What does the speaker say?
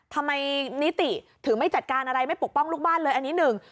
ทำไมนิติถึงไม่จัดการอะไรไม่ปกป้องลูกบ้านเลยอันนี้หนึ่ง